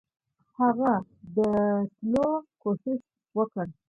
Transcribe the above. هغه د لوټلو کوښښ یې وکړ.